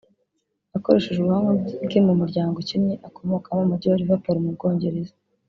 Akoresheje ubuhamya bwe mu muryango ukennye akomokamo mu Mujyi wa Liverpool mu Bwongereza